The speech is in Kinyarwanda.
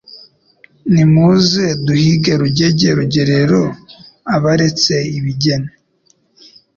Nimuze duhige Rugege rugerero aberetse ibigeni